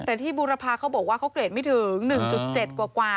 แต่ที่บูรพาเขาบอกว่าเขาเกรดไม่ถึง๑๗กว่า